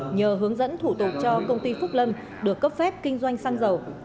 nhờ hướng dẫn thủ tục cho công ty phúc lâm được cấp phép kinh doanh xăng dầu